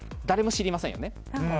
誰も知りませんよね？